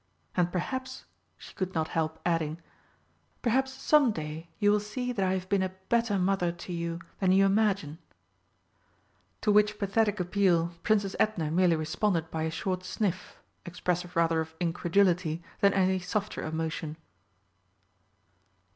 And perhaps," she could could not help adding, "perhaps some day you will see that I have been a better mother to you than you imagine!" To which pathetic appeal Princess Edna merely responded by a short sniff, expressive rather of incredulity than any softer emotion.